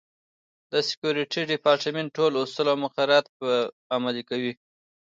د سکورټي ډیپارټمنټ ټول اصول او مقررات به عملي کوي.